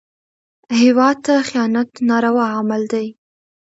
هېواد ته خیانت ناروا عمل دی